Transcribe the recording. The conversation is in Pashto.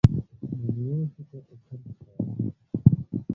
د میوو شکر ایستل پکار دي.